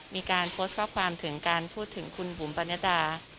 มีการโพสต์ข้อความถึงการพูดถึงคุณบุ๋มปรณดา